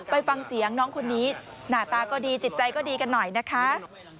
ไปฟังเสียงน้องคนนี้หน้าตาก็ดีจิตใจก็ดีกันหน่อยนะคะ